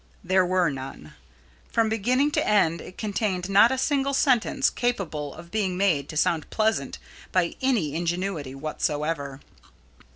There were none. From beginning to end it contained not a single sentence capable of being made to sound pleasant by any ingenuity whatsoever.